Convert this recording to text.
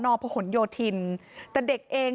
พอครูผู้ชายออกมาช่วยพอครูผู้ชายออกมาช่วย